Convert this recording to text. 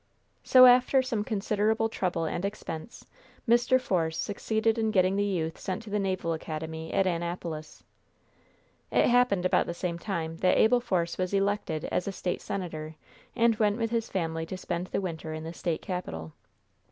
So, after some considerable trouble and expense, Mr. Force succeeded in getting the youth sent to the Naval Academy at Annapolis. It happened about the same time that Abel Force was elected as a State senator, and went with his family to spend the winter in the State capital.